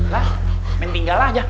lah mendinggal aja